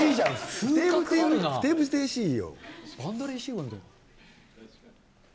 ふてぶてしいよ。